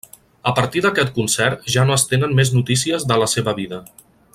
A partir d'aquest concert ja no es tenen més notícies de la seva vida.